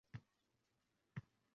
«Qizlar daftariga... »